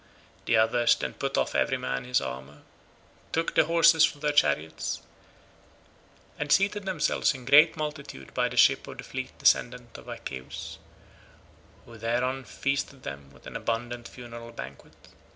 The others then put off every man his armour, took the horses from their chariots, and seated themselves in great multitude by the ship of the fleet descendant of Aeacus, who thereon feasted them with an abundant funeral banquet.